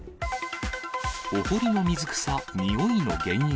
お堀の水草、臭いの原因。